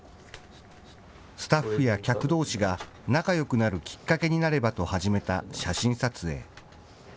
スタッフや客どうしが仲よくなるきっかけになればと始めた写真撮影。